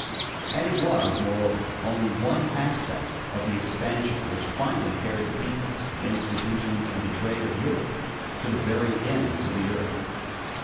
And it was, moreover, only one aspect of the expansion which finally carried the peoples, the institutions, and the trade of Europe to the very ends of the earth.